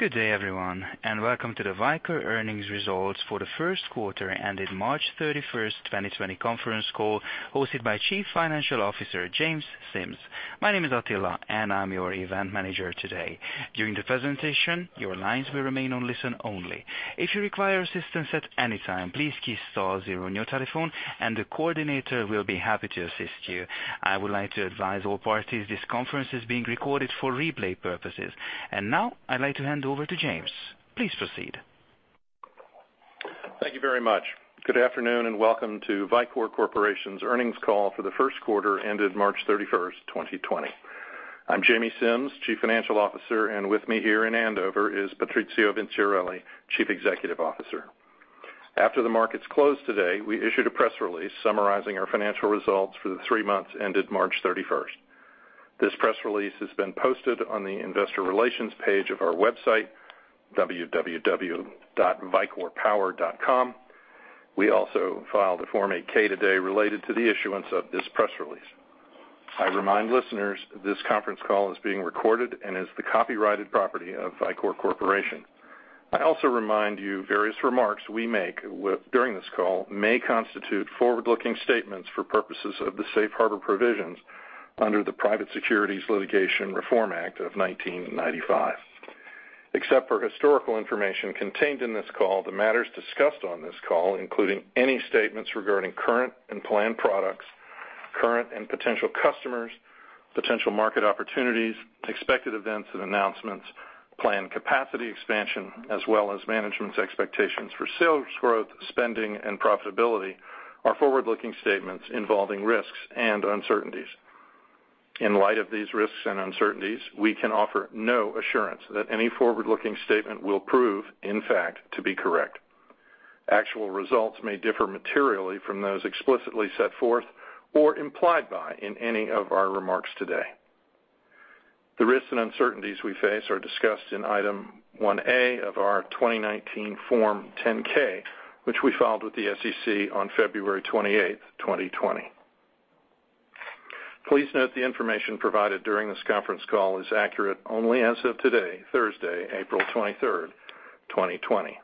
Good day everyone, welcome to the Vicor earnings results for the first quarter ended March 31st, 2020 conference call hosted by Chief Financial Officer James Simms. My name is Attila, I'm your event manager today. During the presentation, your lines will remain on listen only. If you require assistance at any time, please key star zero on your telephone the coordinator will be happy to assist you. I would like to advise all parties this conference is being recorded for replay purposes. Now I'd like to hand over to James. Please proceed. Thank you very much. Good afternoon, and welcome to Vicor Corporation's earnings call for the first quarter ended March 31st, 2020. I'm James Simms, Chief Financial Officer, and with me here in Andover is Patrizio Vinciarelli, Chief Executive Officer. After the markets closed today, we issued a press release summarizing our financial results for the three months ended March 31st. This press release has been posted on the investor relations page of our website, vicorpower.com. We also filed a Form 8-K today related to the issuance of this press release. I remind listeners this conference call is being recorded and is the copyrighted property of Vicor Corporation. I also remind you various remarks we make during this call may constitute forward-looking statements for purposes of the safe harbor provisions under the Private Securities Litigation Reform Act of 1995. Except for historical information contained in this call, the matters discussed on this call, including any statements regarding current and planned products, current and potential customers, potential market opportunities, expected events and announcements, planned capacity expansion, as well as management's expectations for sales growth, spending, and profitability are forward-looking statements involving risks and uncertainties. In light of these risks and uncertainties, we can offer no assurance that any forward-looking statement will prove, in fact, to be correct. Actual results may differ materially from those explicitly set forth or implied by in any of our remarks today. The risks and uncertainties we face are discussed in Item 1A of our 2019 Form 10-K, which we filed with the SEC on February 28th, 2020. Please note the information provided during this conference call is accurate only as of today, Thursday, April 23rd, 2020.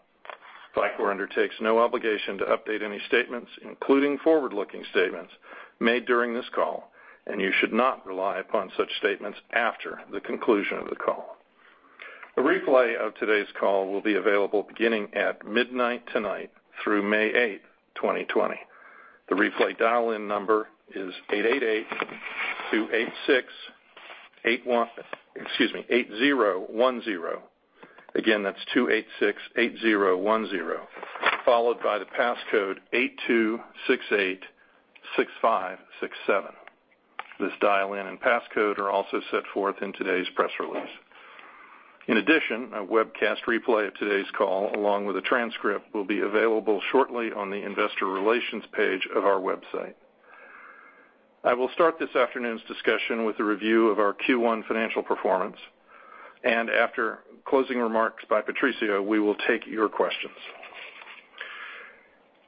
Vicor undertakes no obligation to update any statements, including forward-looking statements, made during this call, and you should not rely upon such statements after the conclusion of the call. A replay of today's call will be available beginning at midnight tonight through May 8th, 2020. The replay dial-in number is 888-286-8010. Again, that's 286-8010, followed by the passcode 82686567. This dial-in and passcode are also set forth in today's press release. A webcast replay of today's call, along with a transcript, will be available shortly on the investor relations page of our website. I will start this afternoon's discussion with a review of our Q1 financial performance. After closing remarks by Patrizio, we will take your questions.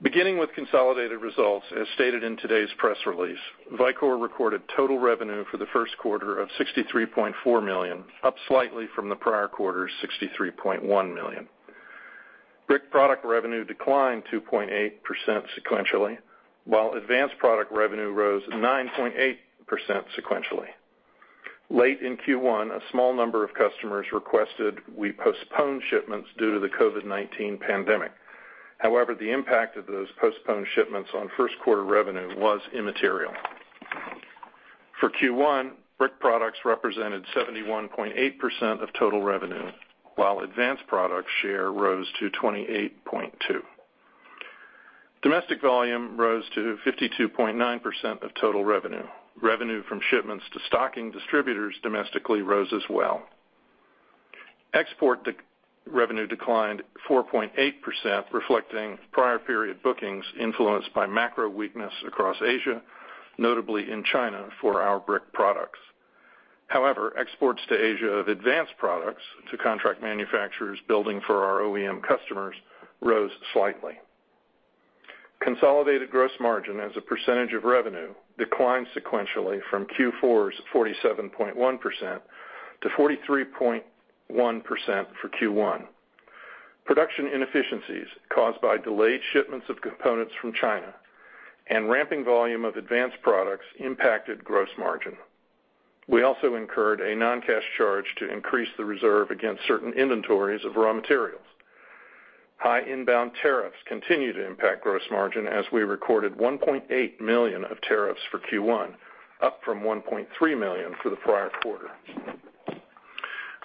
Beginning with consolidated results, as stated in today's press release, Vicor recorded total revenue for the first quarter of $63.4 million, up slightly from the prior quarter's $63.1 million. Brick product revenue declined 2.8% sequentially, while advanced product revenue rose 9.8% sequentially. Late in Q1, a small number of customers requested we postpone shipments due to the COVID-19 pandemic. However, the impact of those postponed shipments on first quarter revenue was immaterial. For Q1, brick products represented 71.8% of total revenue, while advanced product share rose to 28.2%. Domestic volume rose to 52.9% of total revenue. Revenue from shipments to stocking distributors domestically rose as well. Export revenue declined 4.8%, reflecting prior period bookings influenced by macro weakness across Asia, notably in China for our brick products. However, exports to Asia of advanced products to contract manufacturers building for our OEM customers rose slightly. Consolidated gross margin as a percentage of revenue declined sequentially from Q4's 47.1% to 43.1% for Q1. Production inefficiencies caused by delayed shipments of components from China and ramping volume of advanced products impacted gross margin. We also incurred a non-cash charge to increase the reserve against certain inventories of raw materials. High inbound tariffs continue to impact gross margin as we recorded $1.8 million of tariffs for Q1, up from $1.3 million for the prior quarter.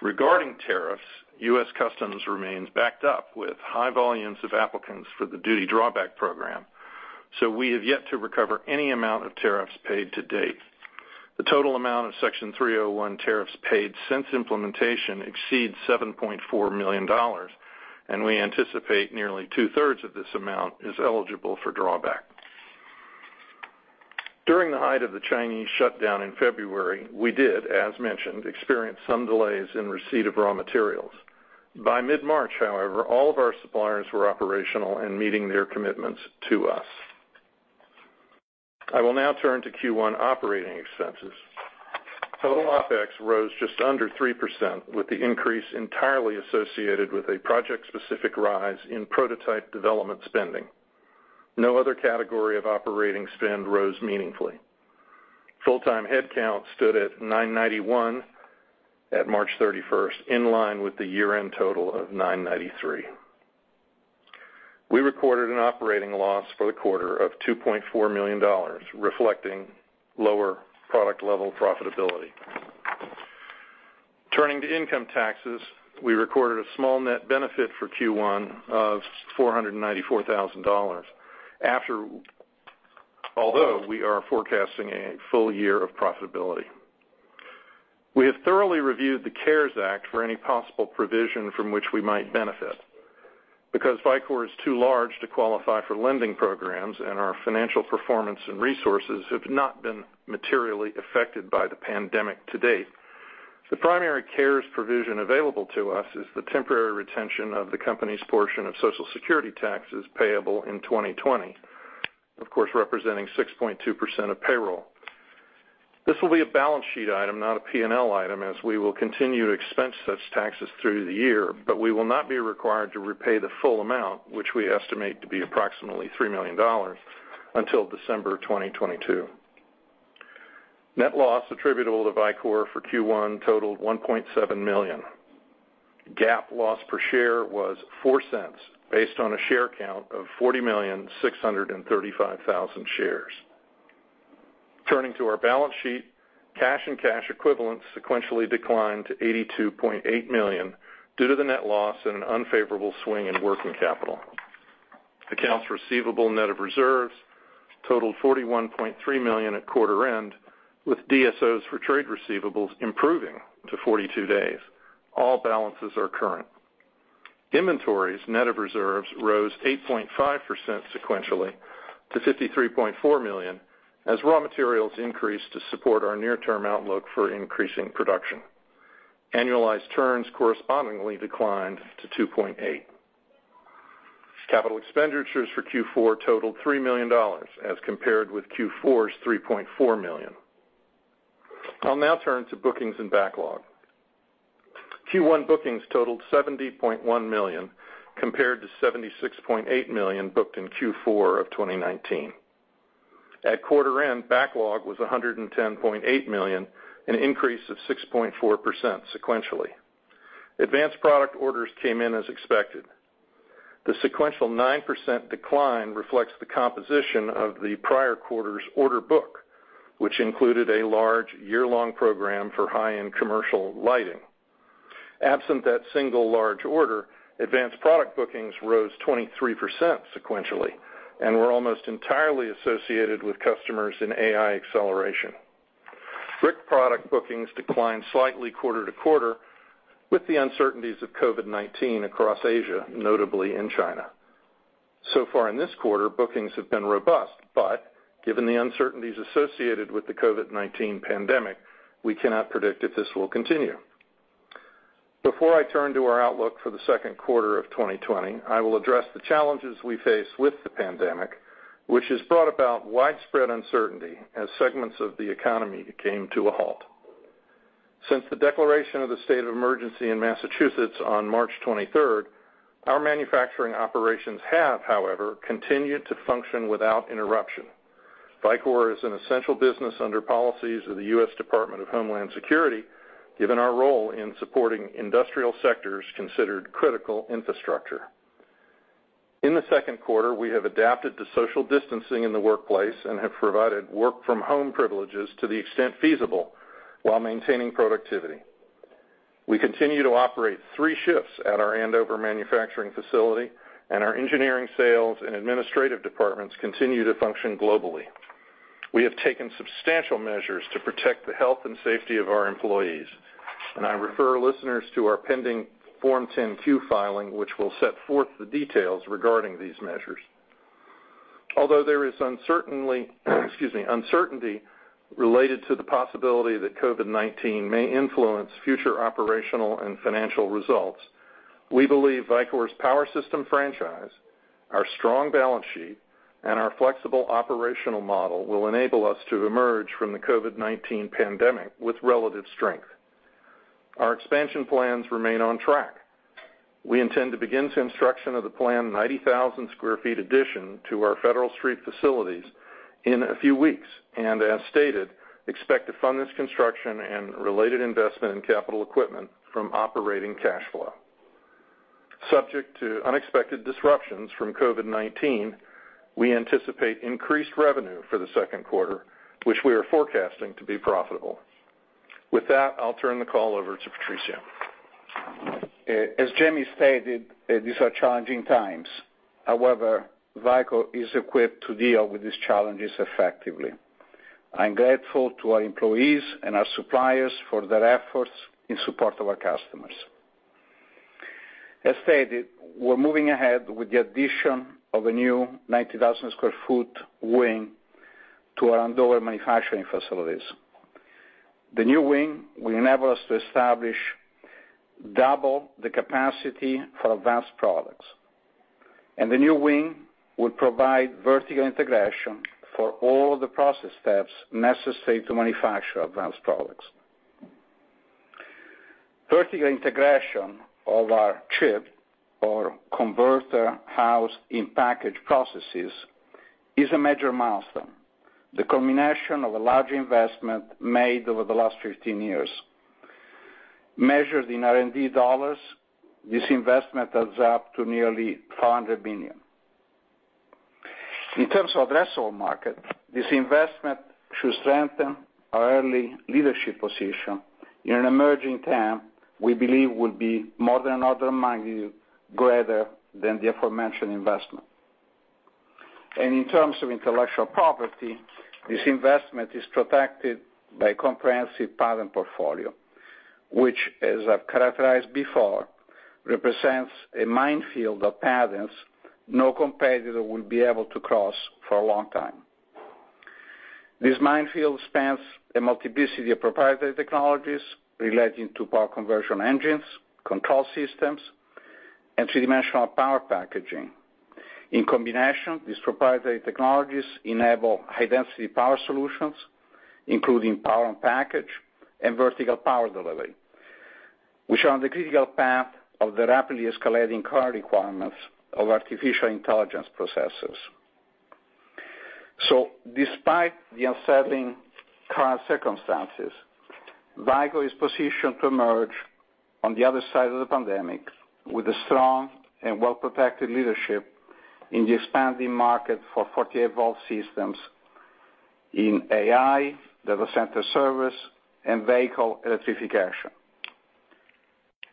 Regarding tariffs, U.S. Customs remains backed up with high volumes of applicants for the duty drawback program. We have yet to recover any amount of tariffs paid to date. The total amount of Section 301 tariffs paid since implementation exceeds $7.4 million, and we anticipate nearly 2/3 of this amount is eligible for drawback. During the height of the Chinese shutdown in February, we did, as mentioned, experience some delays in receipt of raw materials. By mid-March, however, all of our suppliers were operational and meeting their commitments to us. I will now turn to Q1 operating expenses. Total OpEx rose just under 3%, with the increase entirely associated with a project-specific rise in prototype development spending. No other category of operating spend rose meaningfully. Full-time headcount stood at 991 at March 31st, in line with the year-end total of 993. We recorded an operating loss for the quarter of $2.4 million, reflecting lower product level profitability. Turning to income taxes, we recorded a small net benefit for Q1 of $494,000, although we are forecasting a full year of profitability. We have thoroughly reviewed the CARES Act for any possible provision from which we might benefit. Because Vicor is too large to qualify for lending programs, and our financial performance and resources have not been materially affected by the pandemic to-date, the primary CARES provision available to us is the temporary retention of the company's portion of Social Security taxes payable in 2020. Of course, representing 6.2% of payroll. This will be a balance sheet item, not a P&L item, as we will continue to expense such taxes through the year, but we will not be required to repay the full amount, which we estimate to be approximately $3 million, until December 2022. Net loss attributable to Vicor for Q1 totaled $1.7 million. GAAP loss per share was $0.04, based on a share count of 40,635,000 shares. Turning to our balance sheet, cash and cash equivalents sequentially declined to $82.8 million due to the net loss and an unfavorable swing in working capital. Accounts receivable, net of reserves, totaled $41.3 million at quarter end, with DSOs for trade receivables improving to 42 days. All balances are current. Inventories, net of reserves, rose 8.5% sequentially to $53.4 million, as raw materials increased to support our near-term outlook for increasing production. Annualized turns correspondingly declined to 2.8%. Capital expenditures for Q1 totaled $3 million, as compared with Q4's $3.4 million. I'll now turn to bookings and backlog. Q1 bookings totaled $70.1 million, compared to $76.8 million booked in Q4 of 2019. At quarter end, backlog was $110.8 million, an increase of 6.4% sequentially. Advanced product orders came in as expected. The sequential 9% decline reflects the composition of the prior quarter's order book, which included a large year-long program for high-end commercial lighting. Absent that single large order, advanced product bookings rose 23% sequentially and were almost entirely associated with customers in AI acceleration. Brick product bookings declined slightly quarter to quarter, with the uncertainties of COVID-19 across Asia, notably in China. Far in this quarter, bookings have been robust, but given the uncertainties associated with the COVID-19 pandemic, we cannot predict if this will continue. Before I turn to our outlook for the second quarter of 2020, I will address the challenges we face with the pandemic, which has brought about widespread uncertainty as segments of the economy came to a halt. Since the declaration of the state of emergency in Massachusetts on March 23rd, our manufacturing operations have, however, continued to function without interruption. Vicor is an essential business under policies of the U.S. Department of Homeland Security, given our role in supporting industrial sectors considered critical infrastructure. In the second quarter, we have adapted to social distancing in the workplace and have provided work-from-home privileges to the extent feasible while maintaining productivity. We continue to operate three shifts at our Andover manufacturing facility, and our engineering sales and administrative departments continue to function globally. We have taken substantial measures to protect the health and safety of our employees, and I refer listeners to our pending Form 10-Q filing, which will set forth the details regarding these measures. Although there is uncertainty related to the possibility that COVID-19 may influence future operational and financial results, we believe Vicor's power system franchise, our strong balance sheet, and our flexible operational model will enable us to emerge from the COVID-19 pandemic with relative strength. Our expansion plans remain on track. We intend to begin construction of the planned 90,000 sq ft addition to our Federal Street facilities in a few weeks, and as stated, expect to fund this construction and related investment in capital equipment from operating cash flow. Subject to unexpected disruptions from COVID-19, we anticipate increased revenue for the second quarter, which we are forecasting to be profitable. With that, I'll turn the call over to Patrizio. As James stated, these are challenging times. However, Vicor is equipped to deal with these challenges effectively. I'm grateful to our employees and our suppliers for their efforts in support of our customers. As stated, we're moving ahead with the addition of a new 90,000 sq ft wing to our Andover manufacturing facilities. The new wing will enable us to establish double the capacity for advanced products. The new wing will provide vertical integration for all the process steps necessary to manufacture advanced products. Vertical integration of our ChiP or Converter housed in Package processes is a major milestone. The combination of a large investment made over the last 15 years. Measured in R&D dollars, this investment adds up to nearly $500 million. In terms of addressable market, this investment should strengthen our early leadership position in an emerging TAM we believe will be more than an order of magnitude greater than the aforementioned investment. In terms of intellectual property, this investment is protected by comprehensive patent portfolio, which as I've characterized before, represents a minefield of patents no competitor will be able to cross for a long time. This minefield spans a multiplicity of proprietary technologies relating to power conversion engines, control systems, and three-dimensional power packaging. In combination, these proprietary technologies enable high-density power solutions, including power in package and vertical power delivery, which are on the critical path of the rapidly escalating power requirements of artificial intelligence processors. Despite the unsettling current circumstances, Vicor is positioned to emerge on the other side of the pandemic with a strong and well-protected leadership in the expanding market for 48 volt systems in AI, data center service, and vehicle electrification.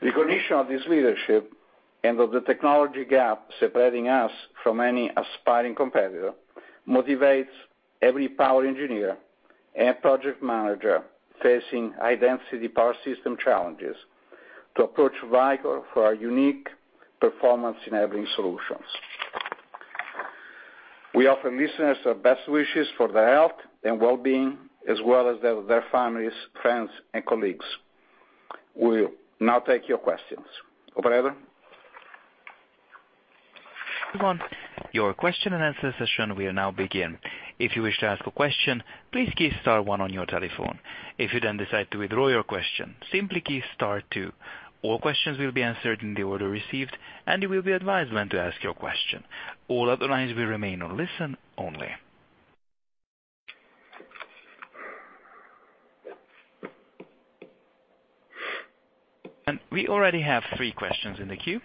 Recognition of this leadership and of the technology gap separating us from any aspiring competitor motivates every power engineer and project manager facing high-density power system challenges to approach Vicor for our unique performance-enabling solutions. We offer listeners our best wishes for their health and well-being as well as their families, friends, and colleagues. We will now take your questions. Operator? Everyone, your question and answer session will now begin. If you wish to ask a question, please key star one on your telephone. If you then decide to withdraw your question, simply key star two. All questions will be answered in the order received, and you will be advised when to ask your question. All other lines will remain on listen only. We already have three questions in the queue,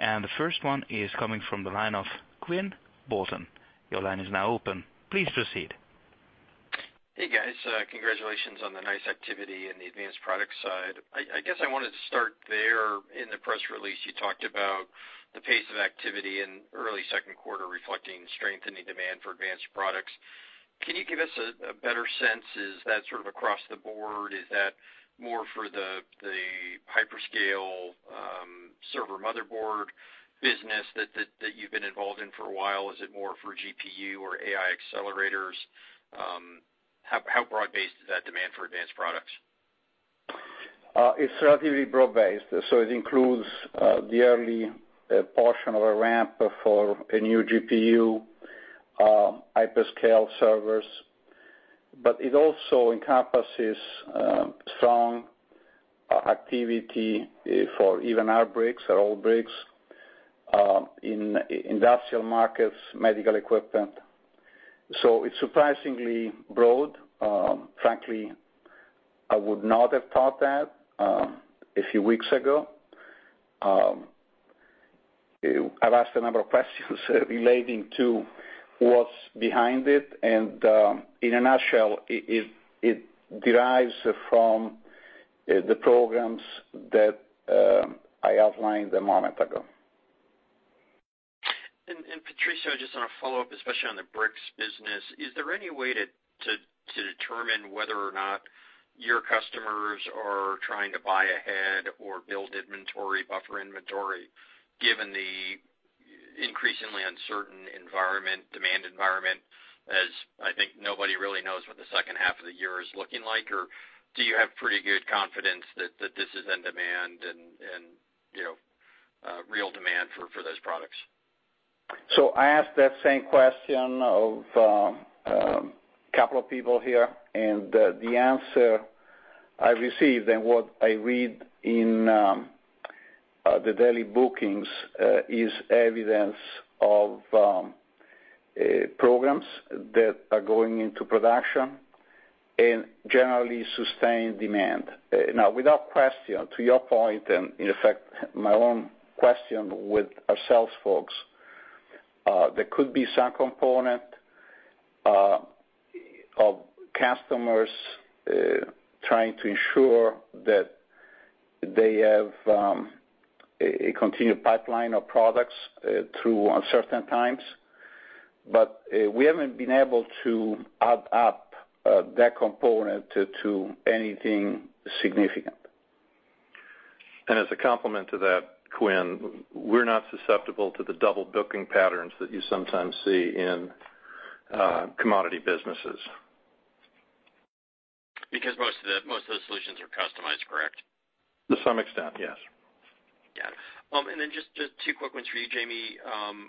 and the first one is coming from the line of Quinn Bolton. Your line is now open. Please proceed. Hey, guys. Congratulations on the nice activity in the advanced product side. I guess I wanted to start there. In the press release, you talked about the pace of activity in early second quarter reflecting strengthening demand for advanced products. Can you give us a better sense? Is that sort of across the board? Is that more for the hyperscale server motherboard business that you've been involved in for a while? Is it more for GPU or AI accelerators? How broad-based is that demand for advanced products? It's relatively broad-based, so it includes the early portion of a ramp for a new GPU, hyperscale servers, but it also encompasses strong activity for even our bricks or old bricks in industrial markets, medical equipment. It's surprisingly broad. Frankly, I would not have thought that a few weeks ago. I've asked a number of questions relating to what's behind it, and in a nutshell, it derives from the programs that I outlined a moment ago. Patrizio, just on a follow-up, especially on the bricks business, is there any way to determine whether or not your customers are trying to buy ahead or build inventory, buffer inventory, given the increasingly uncertain demand environment as I think nobody really knows what the second half of the year is looking like? Or do you have pretty good confidence that this is in demand and real demand for those products? I asked that same question of a couple of people here, and the answer I received and what I read in the daily bookings is evidence of programs that are going into production and generally sustained demand. Now, without question, to your point, and in effect, my own question with our sales folks, there could be some component of customers trying to ensure that they have a continued pipeline of products through uncertain times. We haven't been able to add up that component to anything significant As a complement to that, Quinn, we're not susceptible to the double-booking patterns that you sometimes see in commodity businesses. Most of the solutions are customized, correct? To some extent, yes. Got it. Just two quick ones for you, Jamie.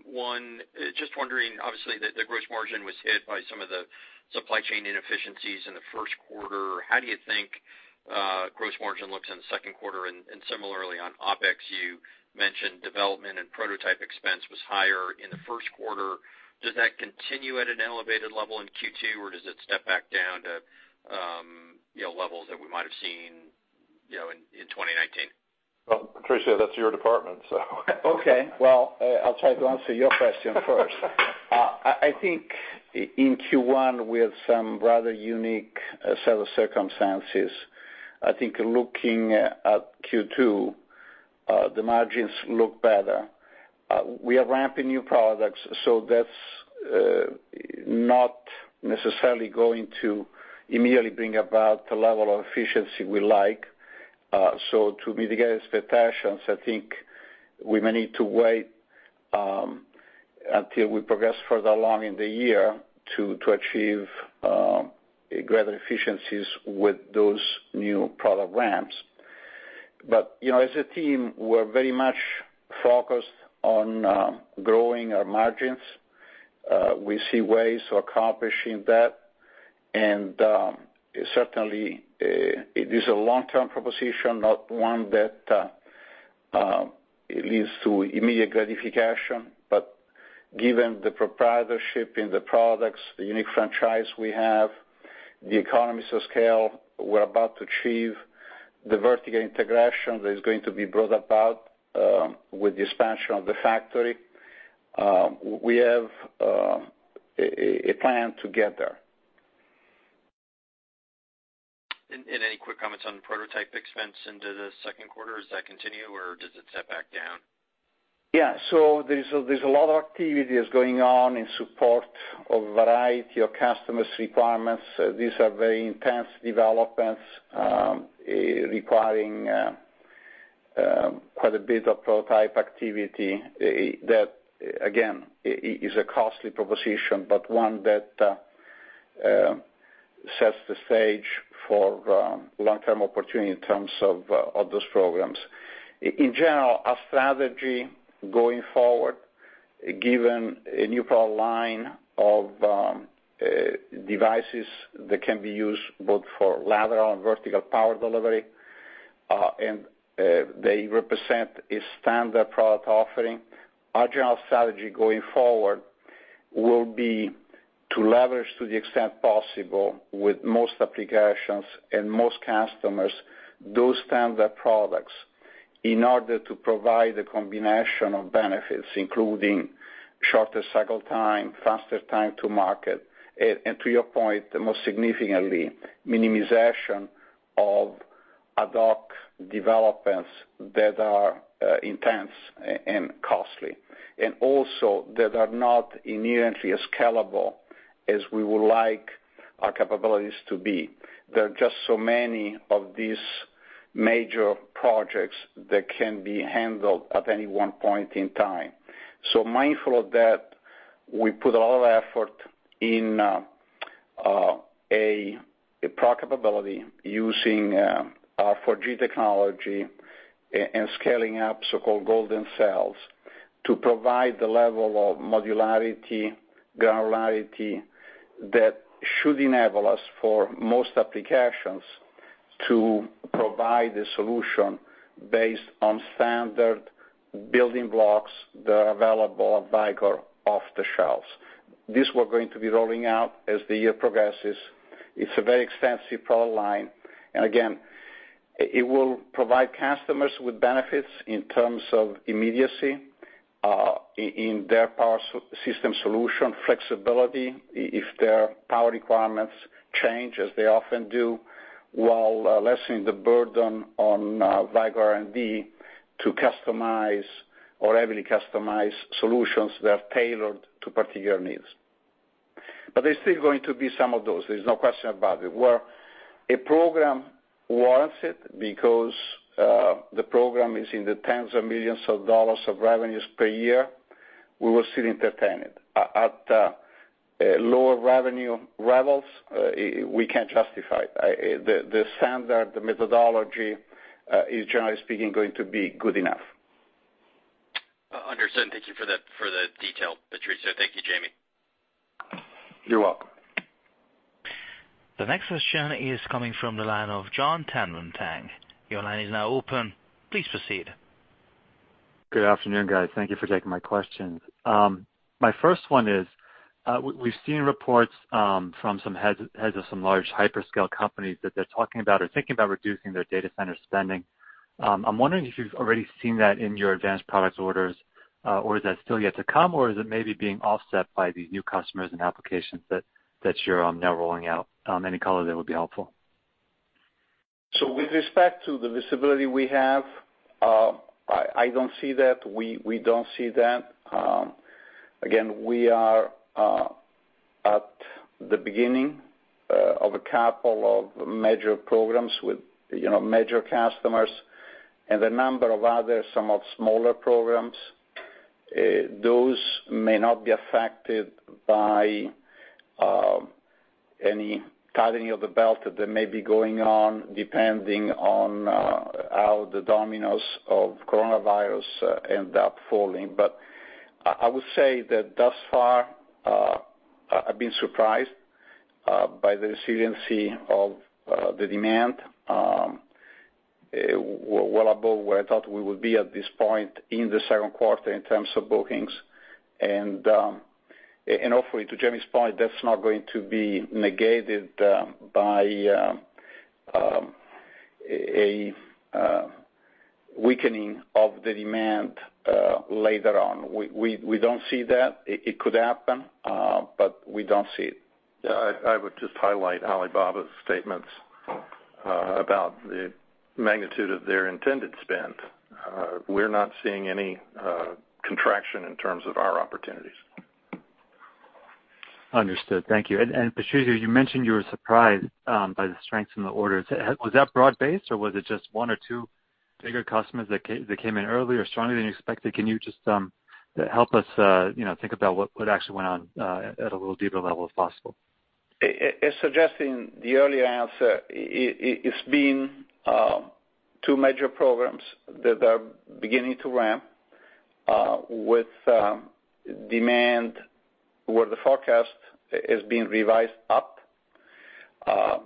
One, just wondering, obviously, the gross margin was hit by some of the supply chain inefficiencies in the first quarter. How do you think gross margin looks in the second quarter? Similarly on OpEx, you mentioned development and prototype expense was higher in the first quarter. Does that continue at an elevated level in Q2, or does it step back down to levels that we might have seen in 2019? Well, Patrizio, that's your department. Okay. Well, I'll try to answer your question first. I think in Q1, we had some rather unique set of circumstances. I think looking at Q2, the margins look better. We are ramping new products, so that's not necessarily going to immediately bring about the level of efficiency we like. To mitigate expectations, I think we may need to wait until we progress further along in the year to achieve greater efficiencies with those new product ramps. As a team, we're very much focused on growing our margins. We see ways to accomplishing that, and certainly, it is a long-term proposition, not one that leads to immediate gratification. Given the proprietorship in the products, the unique franchise we have, the economies of scale we're about to achieve, the vertical integration that is going to be brought about with the expansion of the factory, we have a plan to get there. Any quick comments on the prototype expense into the second quarter? Does that continue, or does that step back down? Yeah. There's a lot of activities going on in support of a variety of customers' requirements. These are very intense developments requiring quite a bit of prototype activity that, again, is a costly proposition, but one that sets the stage for long-term opportunity in terms of those programs. In general, our strategy going forward, given a new product line of devices that can be used both for lateral and vertical power delivery, and they represent a standard product offering. Our general strategy going forward will be to leverage, to the extent possible, with most applications and most customers, those standard products in order to provide a combination of benefits, including shorter cycle time, faster time to market, and to your point, most significantly, minimization of ad hoc developments that are intense and costly, and also that are not inherently as scalable as we would like our capabilities to be. There are just so many of these major projects that can be handled at any one point in time. Mindful of that, we put a lot of effort in a profitability using our 4G technology and scaling up so-called golden cells to provide the level of modularity, granularity that should enable us, for most applications, to provide a solution based on standard building blocks that are available at Vicor off the shelves. These we're going to be rolling out as the year progresses. It's a very extensive product line. Again, it will provide customers with benefits in terms of immediacy in their power system solution flexibility if their power requirements change as they often do, while lessening the burden on Vicor R&D to customize or heavily customize solutions that are tailored to particular needs. There's still going to be some of those. There's no question about it. Where a program warrants it because the program is in the tens of millions of dollars of revenues per year, we will still entertain it. At lower revenue levels, we can't justify it. The standard, the methodology, is generally speaking, going to be good enough. Understood. Thank you for the detail, Patrizio. Thank you, Jamie. You're welcome. The next question is coming from the line of Jon Tanwanteng. Your line is now open. Please proceed. Good afternoon, guys. Thank you for taking my questions. My first one is, we've seen reports from some heads of some large hyperscale companies that they're talking about or thinking about reducing their data center spending. I'm wondering if you've already seen that in your advanced products orders, or is that still yet to come, or is it maybe being offset by these new customers and applications that you're now rolling out? Any color there would be helpful. With respect to the visibility we have, I don't see that. We don't see that. Again, we are beginning a couple of major programs with major customers and a number of other, some of smaller programs. Those may not be affected by any tightening of the belt that may be going on, depending on how the dominoes of coronavirus end up falling. I would say that thus far, I've been surprised by the resiliency of the demand, well above where I thought we would be at this point in the second quarter in terms of bookings. Hopefully, to Jamie's point, that's not going to be negated by a weakening of the demand later on. We don't see that. It could happen, but we don't see it. I would just highlight Alibaba's statements about the magnitude of their intended spend. We're not seeing any contraction in terms of our opportunities. Understood. Thank you. Patrizio, you mentioned you were surprised by the strength in the orders. Was that broad-based, or was it just one or two bigger customers that came in earlier, stronger than you expected? Can you just help us think about what actually went on at a little deeper level, if possible? As suggested in the earlier answer, it's been two major programs that are beginning to ramp, with demand where the forecast is being revised up.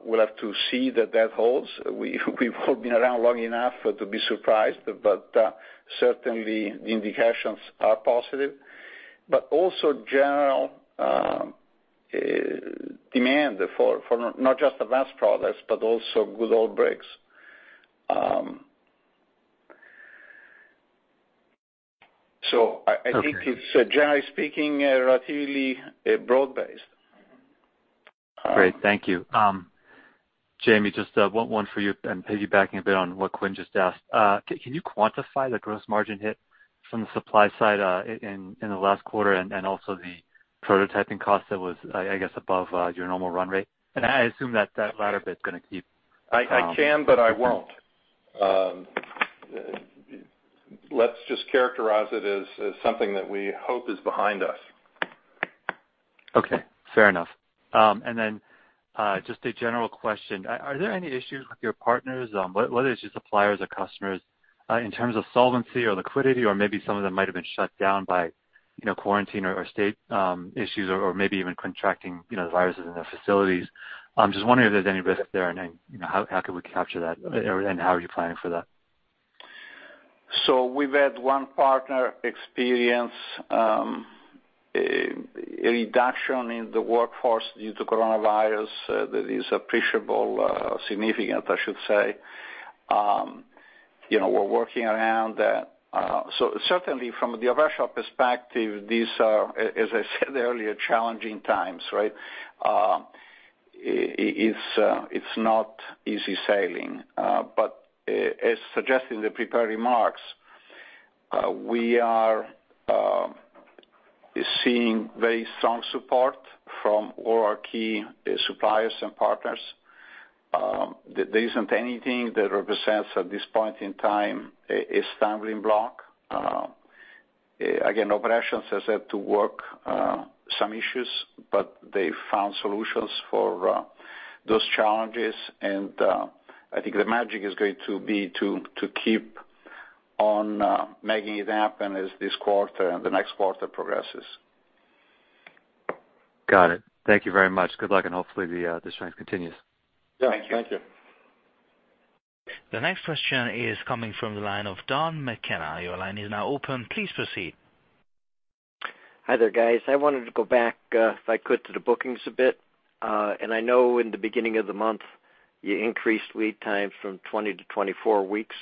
We'll have to see that that holds. We've all been around long enough to be surprised, certainly indications are positive. Also general demand for not just advanced products, but also good old bricks. I think it's, generally speaking, relatively broad-based. Great, thank you. Jamie, just one for you, and piggybacking a bit on what Quinn just asked. Can you quantify the gross margin hit from the supply side in the last quarter, and also the prototyping cost that was, I guess, above your normal run rate? I assume that that latter bit is going to keep- I can, but I won't. Let's just characterize it as something that we hope is behind us. Okay, fair enough. Just a general question. Are there any issues with your partners, whether it's your suppliers or customers, in terms of solvency or liquidity? Maybe some of them might've been shut down by quarantine or state issues, or maybe even contracting the virus in their facilities. I'm just wondering if there's any risk there, and how could we capture that, and how are you planning for that? We've had one partner experience a reduction in the workforce due to coronavirus that is appreciable. Significant, I should say. We're working around that. Certainly from the operational perspective, these are, as I said earlier, challenging times, right? It's not easy sailing. As suggested in the prepared remarks, we are seeing very strong support from all our key suppliers and partners. There isn't anything that represents, at this point in time, a stumbling block. Again, operations has had to work some issues, but they've found solutions for those challenges. I think the magic is going to be to keep on making it happen as this quarter and the next quarter progresses. Got it. Thank you very much. Good luck, and hopefully the strength continues. Thank you. Thank you. The next question is coming from the line of Don McKenna. Your line is now open. Please proceed. Hi there, guys. I wanted to go back, if I could, to the bookings a bit. I know in the beginning of the month, you increased lead times from 20-24 weeks,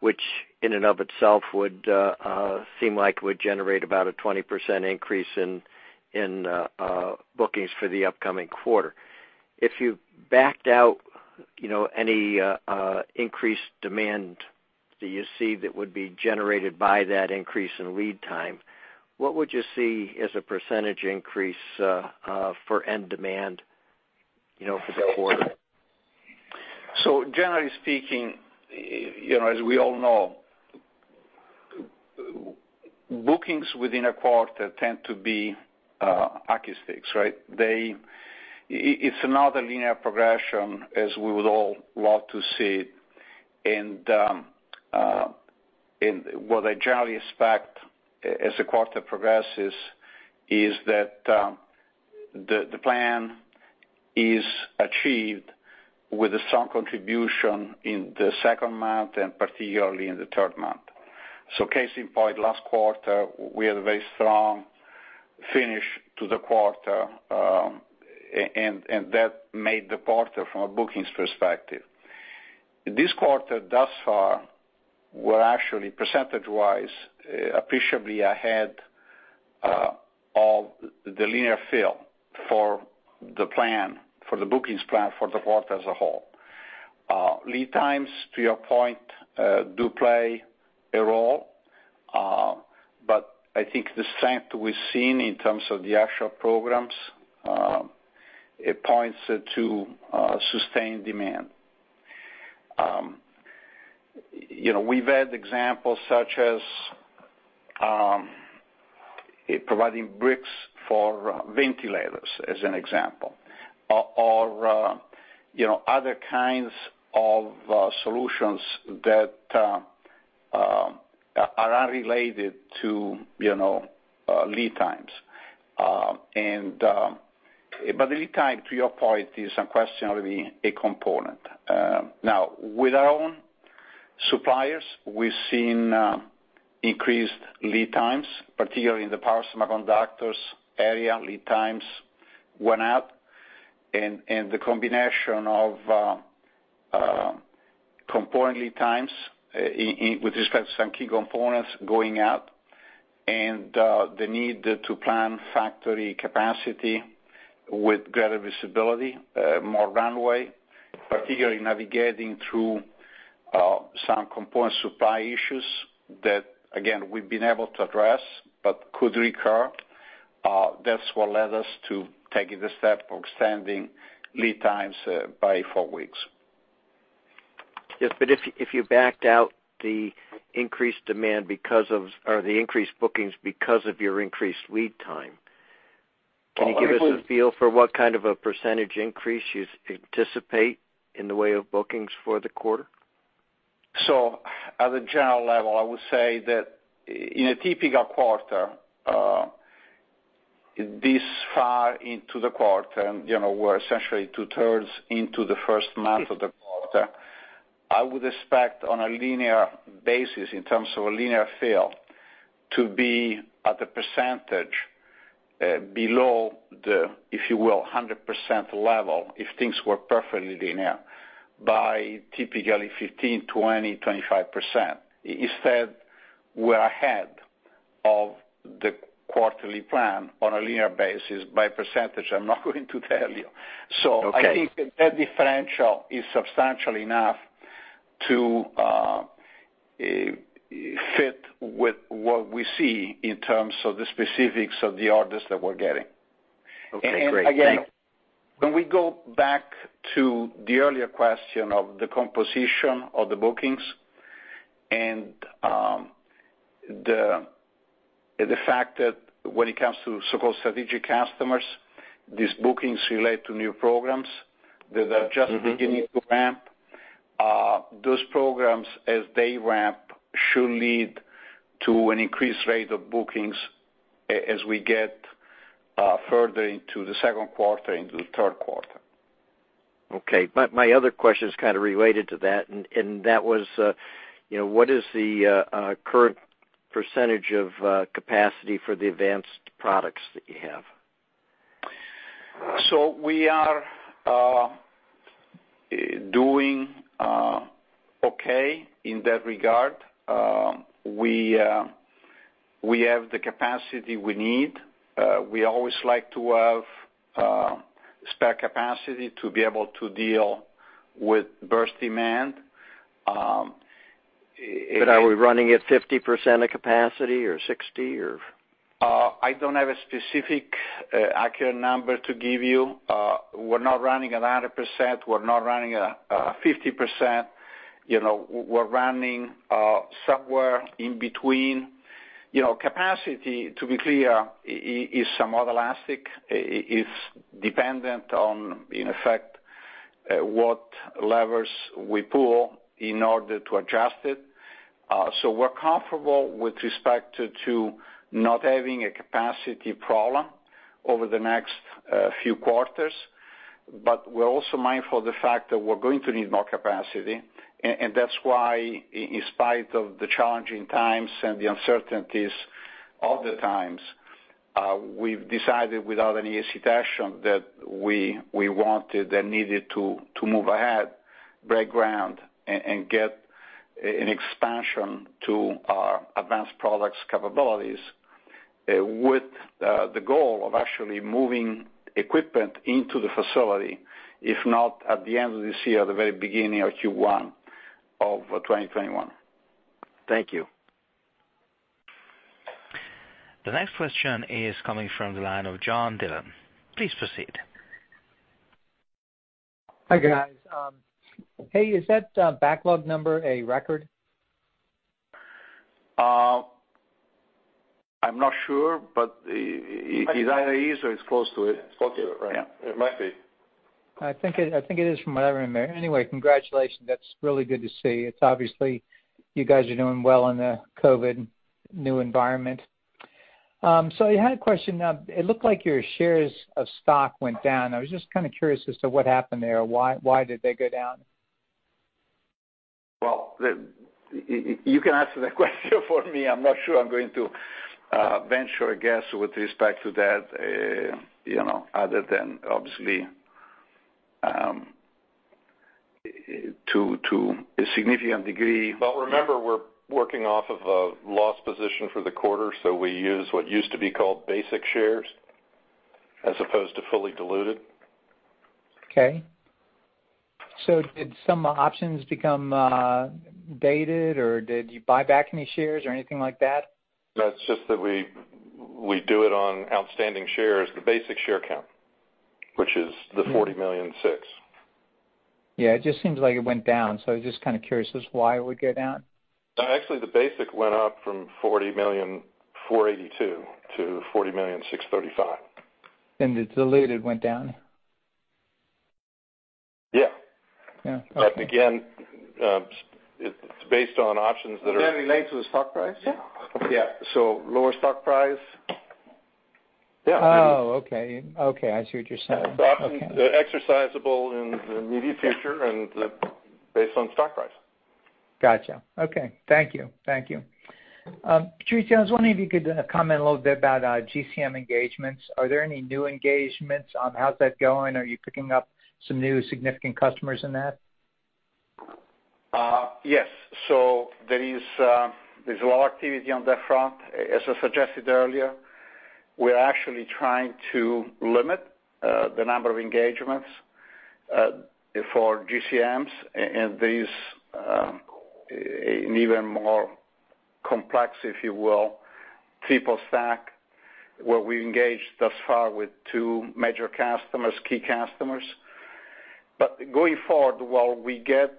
which in and of itself would seem like would generate about a 20% increase in bookings for the upcoming quarter. If you backed out any increased demand that you see that would be generated by that increase in lead time, what would you see as a percentage increase for end demand for the quarter? Generally speaking, as we all know, bookings within a quarter tend to be hockey sticks, right? It's not a linear progression as we would all love to see. What I generally expect as the quarter progresses is that the plan is achieved with a strong contribution in the second month and particularly in the third month. Case in point, last quarter, we had a very strong finish to the quarter, and that made the quarter from a bookings perspective. This quarter thus far, we're actually percentage-wise appreciably ahead of the linear fill for the plan, for the bookings plan for the quarter as a whole. Lead times, to your point, do play a role. I think the strength we've seen in terms of the actual programs, it points to sustained demand. We've had examples such as providing bricks for ventilators as an example, or other kinds of solutions that are unrelated to lead times. The lead time, to your point, is unquestionably a component. With our own suppliers, we've seen increased lead times, particularly in the power semiconductors area, lead times went up, and the combination of component lead times with respect to some key components going up, and the need to plan factory capacity with greater visibility, more runway, particularly navigating through some component supply issues that, again, we've been able to address but could recur. That's what led us to taking the step of extending lead times by four weeks. Yes, if you backed out the increased bookings because of your increased lead time. Well. Can you give us a feel for what kind of a percentage increase you anticipate in the way of bookings for the quarter? At a general level, I would say that in a typical quarter, this far into the quarter, we're essentially two-thirds into the first month of the quarter, I would expect on a linear basis, in terms of a linear fill, to be at a percentage below the, if you will, 100% level, if things were perfectly linear, by typically 15%, 20%, 25%. Instead, we're ahead of the quarterly plan on a linear basis by a percentage I'm not going to tell you. Okay. I think that differential is substantial enough to fit with what we see in terms of the specifics of the orders that we're getting. Okay, great. Again, when we go back to the earlier question of the composition of the bookings and the fact that when it comes to so-called strategic customers, these bookings relate to new programs that are just beginning to ramp. Those programs, as they ramp, should lead to an increased rate of bookings as we get further into the second quarter, into the third quarter. Okay. My other question's kind of related to that, and that was, what is the current percentage of capacity for the advanced products that you have? We are doing okay in that regard. We have the capacity we need. We always like to have spare capacity to be able to deal with burst demand. Are we running at 50% of capacity or 60%? I don't have a specific accurate number to give you. We're not running at 100%, we're not running at 50%. We're running somewhere in between. Capacity, to be clear, is somewhat elastic. It's dependent on, in effect, what levers we pull in order to adjust it. We're comfortable with respect to not having a capacity problem over the next few quarters, but we're also mindful of the fact that we're going to need more capacity, and that's why, in spite of the challenging times and the uncertainties of the times, we've decided without any hesitation that we wanted and needed to move ahead, break ground, and get an expansion to our advanced products capabilities, with the goal of actually moving equipment into the facility, if not at the end of this year, at the very beginning of Q1 of 2021. Thank you. The next question is coming from the line of John Dillon. Please proceed. Hi, guys. Hey, is that backlog number a record? I'm not sure, but it either is or it's close to it. Close to it, right. Yeah. It might be. I think it is from what I remember. Congratulations. That's really good to see. It's obviously you guys are doing well in the COVID new environment. I had a question. It looked like your shares of stock went down. I was just kind of curious as to what happened there. Why did they go down? Well, you can answer that question for me. I'm not sure I'm going to venture a guess with respect to that, other than obviously to a significant degree. Remember, we're working off of a loss position for the quarter, so we use what used to be called basic shares as opposed to fully diluted. Okay. Did some options become dated, or did you buy back any shares or anything like that? No, it's just that we do it on outstanding shares, the basic share count, which is the 40,600,000. Yeah. It just seems like it went down, so I was just kind of curious as to why it would go down. No, actually, the basic went up from $40,482,000 to $40,635,000. The diluted went down. Yeah. Yeah. Okay. Again, it's based on options. That relates to the stock price. Yeah. Yeah. lower stock price. Yeah. Oh, okay. Okay, I see what you're saying. Okay. The options are exercisable in the immediate future and based on stock price. Gotcha. Okay. Thank you. Patrizio, I was wondering if you could comment a little bit about DCM engagements. Are there any new engagements? How's that going? Are you picking up some new significant customers in that? Yes. There is a lot of activity on that front. As I suggested earlier, we're actually trying to limit the number of engagements for DCMs and these, even more complex, if you will, triple stack, where we engaged thus far with two major customers, key customers. Going forward, while we get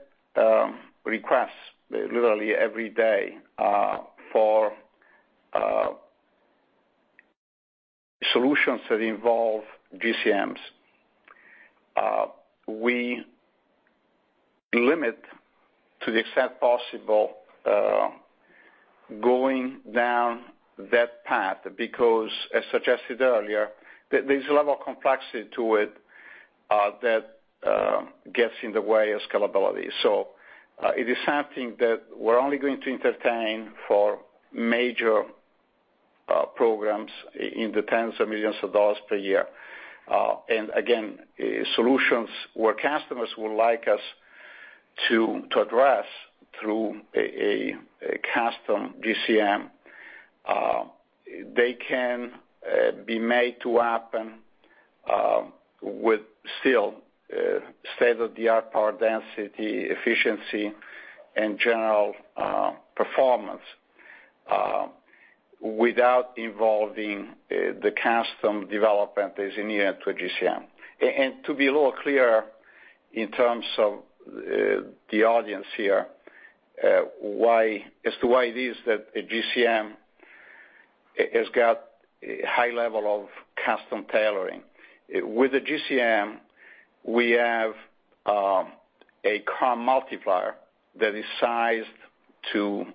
requests literally every day for solutions that involve DCMs, we limit to the extent possible going down that path because, as suggested earlier, there's a level of complexity to it that gets in the way of scalability. It is something that we're only going to entertain for major programs in the tens of millions of dollars per year. Again, solutions where customers would like us to address through a custom DCM, they can be made to happen with still state-of-the-art power density, efficiency, and general performance without involving the custom development that is inherent to a DCM. To be a little clearer in terms of the audience here, as to why it is that a DCM has got a high level of custom tailoring. With a DCM, we have a current multiplier that is sized to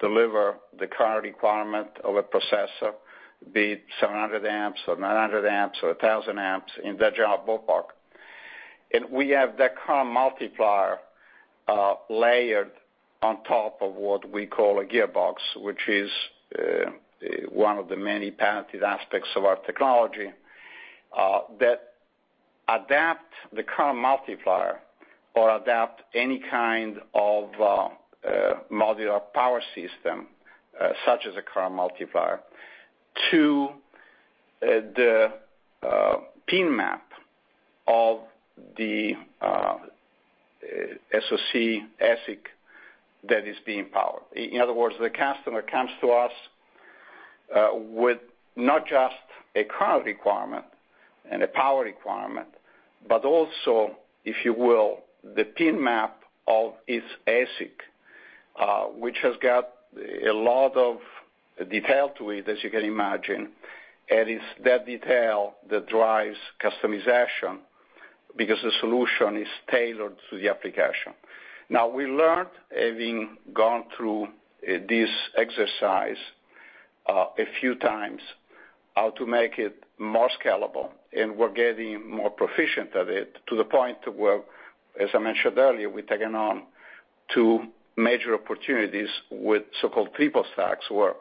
deliver the current requirement of a processor, be it 700 amps or 900 amps or 1,000 amps in that general ballpark. We have that current multiplier, layered on top of what we call a gearbox, which is one of the many patented aspects of our technology, that adapt the current multiplier or adapt any kind of modular power system, such as a current multiplier, to the pin map of the SoC ASIC that is being powered. In other words, the customer comes to us with not just a current requirement and a power requirement, but also, if you will, the pin map of its ASIC, which has got a lot of detail to it, as you can imagine, and it's that detail that drives customization because the solution is tailored to the application. We learned, having gone through this exercise, a few times, how to make it more scalable, and we're getting more proficient at it, to the point where, as I mentioned earlier, we've taken on two major opportunities with so-called triple stacks, where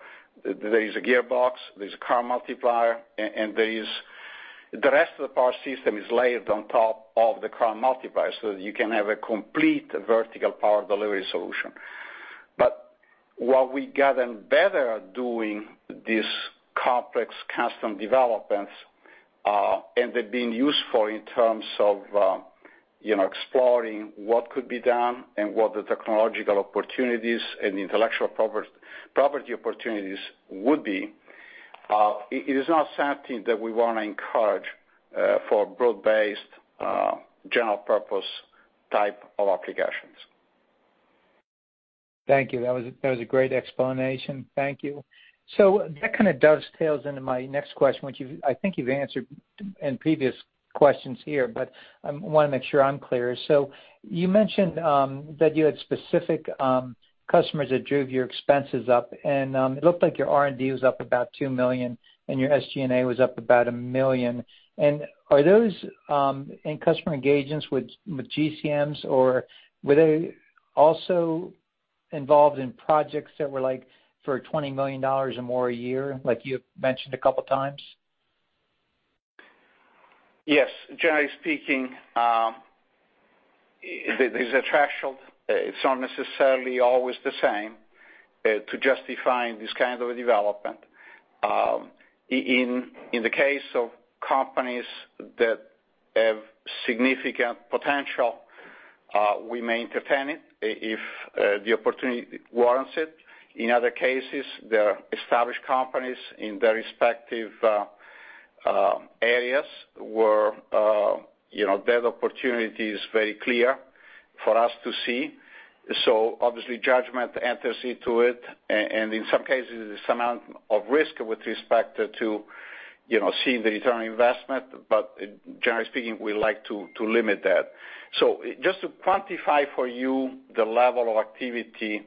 there is a gearbox, there's a current multiplier, and there is the rest of the power system is layered on top of the current multiplier, so you can have a complete vertical power delivery solution. While we've gotten better at doing these complex custom developments, and they're being useful in terms of exploring what could be done and what the technological opportunities and intellectual property opportunities would be, it is not something that we want to encourage for broad-based, general-purpose type of applications. Thank you. That was a great explanation. Thank you. That kind of dovetails into my next question, which I think you've answered in previous questions here, but I want to make sure I'm clear. You mentioned that you had specific customers that drove your expenses up, and it looked like your R&D was up about $2 million, and your SG&A was up about $1 million. Are those in customer engagements with DCMs, or were they also involved in projects that were, like, for $20 million or more a year, like you mentioned a couple times? Yes. Generally speaking, there's a threshold. It's not necessarily always the same. To justifying this kind of a development. In the case of companies that have significant potential, we may entertain it if the opportunity warrants it. In other cases, there are established companies in their respective areas where that opportunity is very clear for us to see. Obviously, judgment enters into it, and in some cases, there's some amount of risk with respect to seeing the return on investment. Generally speaking, we like to limit that. Just to quantify for you the level of activity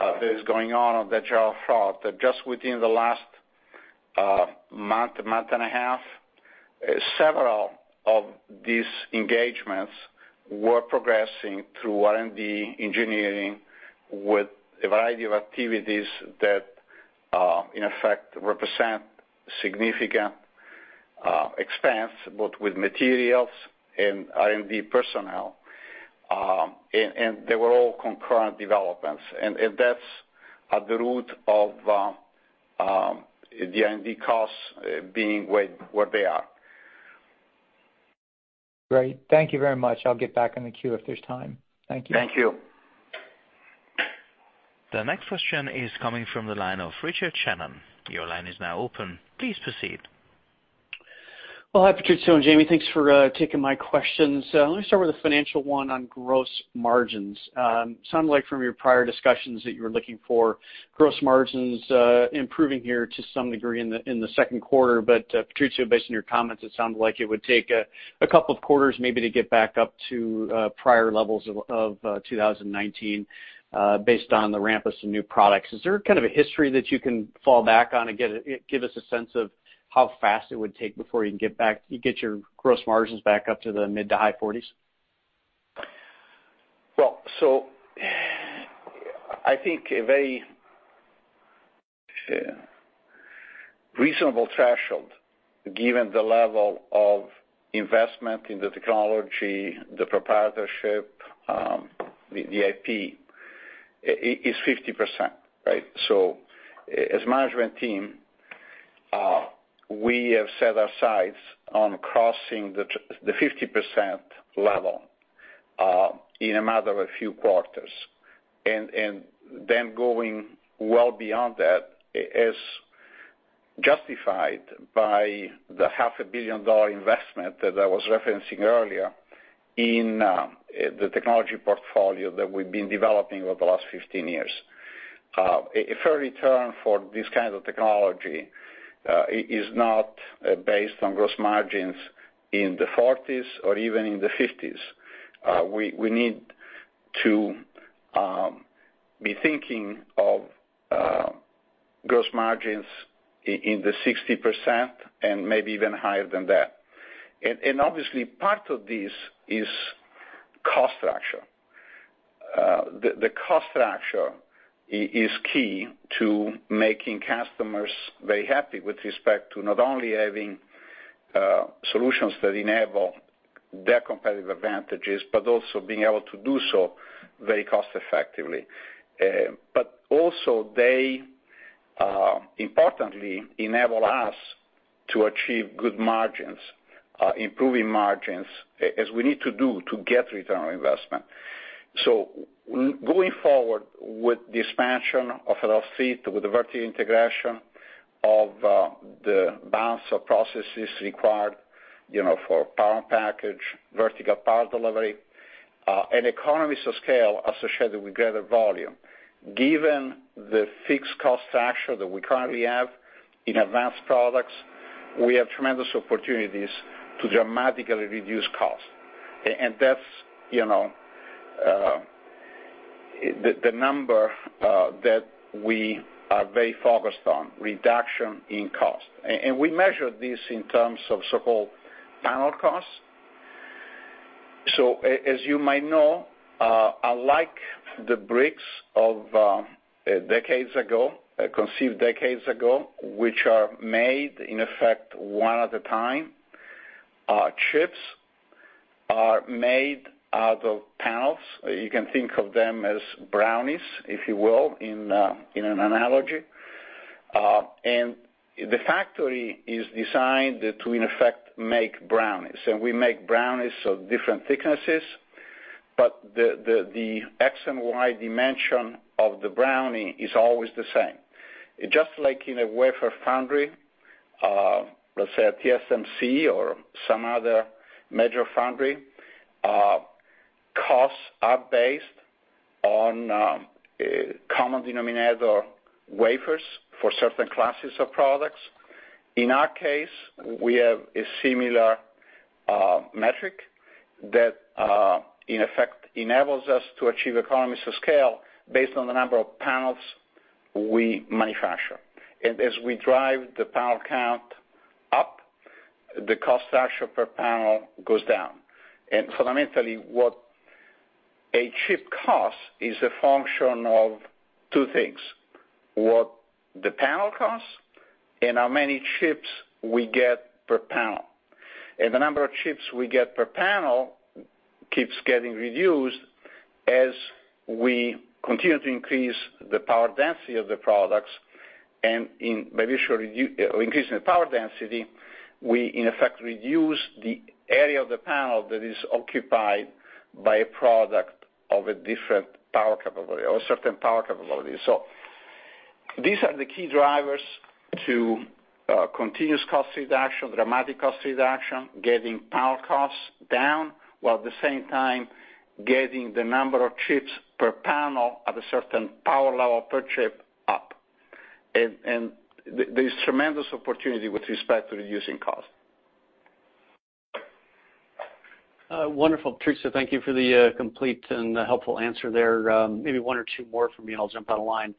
that is going on, that you all thought, that just within the last month and a half, several of these engagements were progressing through R&D engineering with a variety of activities that, in effect, represent significant expanse, both with materials and R&D personnel, and they were all concurrent developments. That's at the root of the R&D costs being where they are. Great. Thank you very much. I'll get back in the queue if there's time. Thank you. Thank you. The next question is coming from the line of Richard Shannon. Your line is now open. Please proceed. Well, hi, Patrizio and Jamie. Thanks for taking my questions. Let me start with the financial one on gross margins. Sounded like from your prior discussions that you were looking for gross margins improving here to some degree in the second quarter, but Patrizio, based on your comments, it sounded like it would take a couple of quarters maybe to get back up to prior levels of 2019, based on the ramp of some new products. Is there kind of a history that you can fall back on and give us a sense of how fast it would take before you can get your gross margins back up to the mid to high 40s? I think a very reasonable threshold, given the level of investment in the technology, the proprietorship, the IP, is 50%, right? As management team, we have set our sights on crossing the 50% level in a matter of a few quarters, and then going well beyond that is justified by the $0.5 billion investment that I was referencing earlier in the technology portfolio that we've been developing over the last 15 years. A fair return for this kind of technology is not based on gross margins in the 40s or even in the 50s. We need to be thinking of gross margins in the 60% and maybe even higher than that. Obviously, part of this is cost structure. The cost structure is key to making customers very happy with respect to not only having solutions that enable their competitive advantages, but also being able to do so very cost effectively. They importantly enable us to achieve good margins, improving margins as we need to do to get return on investment. Going forward with the expansion of with the vertical integration of the balance of processes required for power package, Lateral Power Delivery, and economies of scale associated with greater volume. Given the fixed cost structure that we currently have in advanced products, we have tremendous opportunities to dramatically reduce cost. That's the number that we are very focused on, reduction in cost. We measure this in terms of so-called panel cost. As you might know, unlike the bricks of decades ago, conceived decades ago, which are made in effect one at a time, chips are made out of panels. You can think of them as brownies, if you will, in an analogy. The factory is designed to, in effect, make brownies. We make brownies of different thicknesses, but the X and Y dimension of the brownie is always the same. Just like in a wafer foundry, let's say at TSMC or some other major foundry, costs are based on common denominator wafers for certain classes of products. In our case, we have a similar metric that, in effect, enables us to achieve economies of scale based on the number of panels we manufacture. As we drive the panel count up, the cost structure per panel goes down. Fundamentally, what a chip cost is a function of two things, what the panel costs and how many chips we get per panel. The number of chips we get per panel keeps getting reduced as we continue to increase the power density of the products. In increasing the power density, we in effect reduce the area of the panel that is occupied by a product of a different power capability or a certain power capability. These are the key drivers to continuous cost reduction, dramatic cost reduction, getting power costs down, while at the same time getting the number of chips per panel at a certain power level per chip up. There's tremendous opportunity with respect to reducing cost. Wonderful. Patrizio, thank you for the complete and helpful answer there. Maybe one or two more from me, and I'll jump on the line.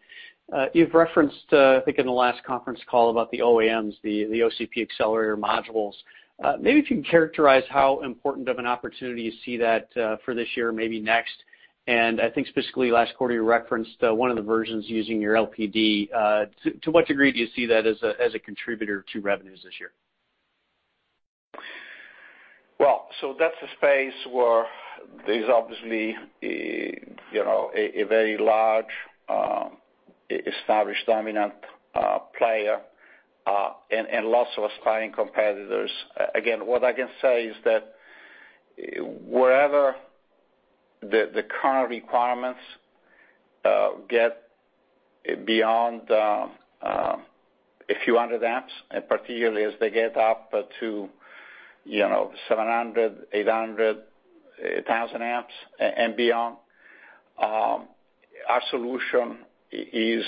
You've referenced, I think, in the last conference call about the OEMs, the OCP accelerator modules. Maybe if you can characterize how important of an opportunity you see that for this year, maybe next. I think specifically last quarter, you referenced one of the versions using your LPD. To what degree do you see that as a contributor to revenues this year? Well, that's a space where there's obviously a very large, established, dominant player, and lots of aspiring competitors. Again, what I can say is that wherever the current requirements get beyond a few hundred amps, and particularly as they get up to 700, 800, 1,000 amps and beyond, our solution is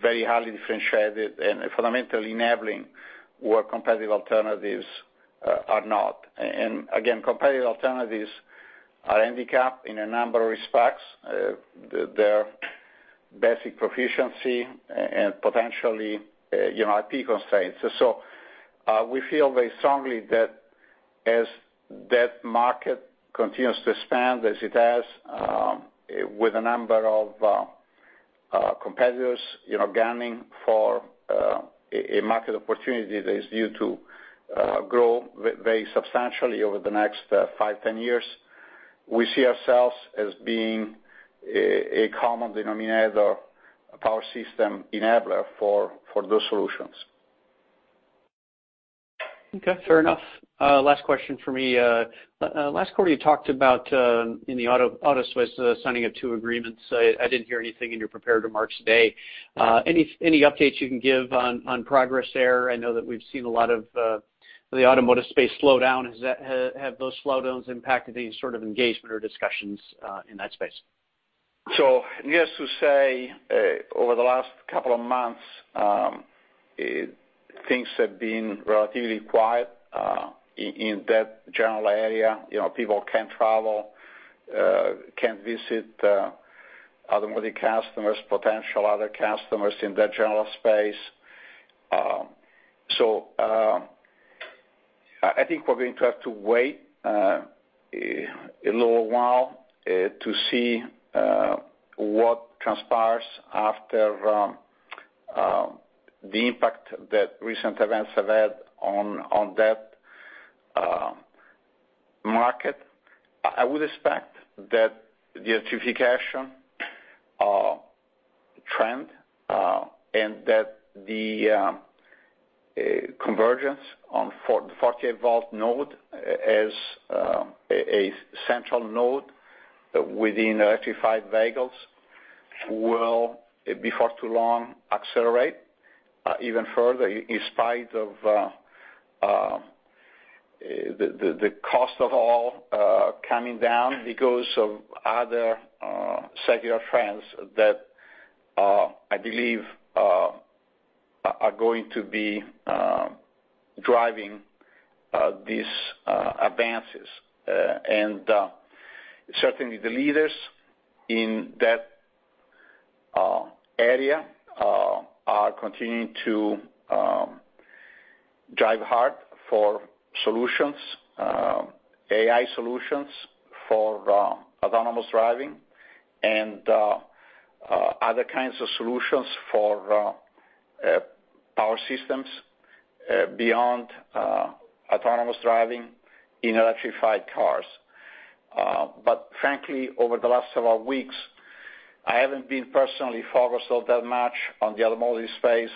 very highly differentiated and fundamentally enabling where competitive alternatives are not. Again, competitive alternatives are handicapped in a number of respects, their basic proficiency and potentially IP constraints. We feel very strongly that as that market continues to expand, as it has with a number of competitors gunning for a market opportunity that is due to grow very substantially over the next five, 10 years, we see ourselves as being a common denominator, a power system enabler for those solutions. Okay, fair enough. Last question from me. Last quarter, you talked about in the automotive signing of two agreements. I didn't hear anything in your prepared remarks today. Any updates you can give on progress there? I know that we've seen a lot of the automotive space slow down. Have those slowdowns impacted any sort of engagement or discussions in that space? Needless to say, over the last couple of months, things have been relatively quiet in that general area. People can't travel, can't visit automotive customers, potential other customers in that general space. I think we're going to have to wait a little while to see what transpires after the impact that recent events have had on that market. I would expect that the electrification trend and that the convergence on 48-volt node as a central node within electrified vehicles will, before too long, accelerate even further, in spite of the cost of all coming down because of other secular trends that I believe are going to be driving these advances. Certainly, the leaders in that area are continuing to drive hard for solutions, AI solutions for autonomous driving, and other kinds of solutions for power systems beyond autonomous driving in electrified cars. Frankly, over the last several weeks, I haven't been personally focused all that much on the automotive space